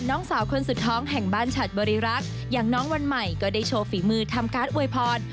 น้องสาวคนสุดท้องแห่งบ้านฉัดบริรักษ์อย่างน้องวันใหม่ก็ได้โชว์ฝีมือทำการอวยพร